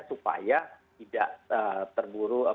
supaya tidak terburu apa